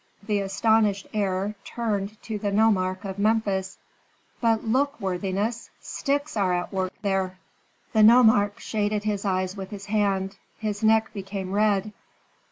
The astonished heir turned to the nomarch of Memphis. "But look, worthiness, sticks are at work there." The nomarch shaded his eyes with his hand, his neck became red.